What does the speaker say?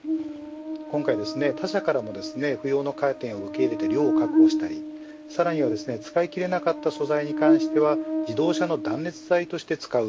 今回は他社からの不要のカーテンを受け入れて量を確保したりさらには使い切れなかった素材に関しては自動車の断熱材として使う。